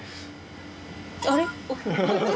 あれ？